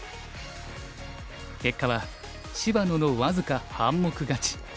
結果は芝野の僅か半目勝ち。